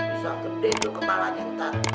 bisa gede itu kepalanya ntar